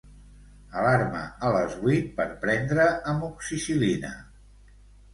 Alarma a les vuit per prendre Amoxicil·lina.